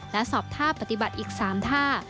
และสอบท่าปฏิบัติอีก๓ท่า